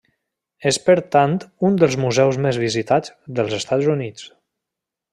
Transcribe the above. És per tant un dels museus més visitats dels Estats Units.